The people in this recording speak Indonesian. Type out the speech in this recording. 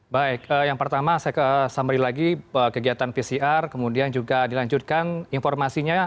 baik yang pertama saya summary lagi kegiatan pcr kemudian juga dilanjutkan informasinya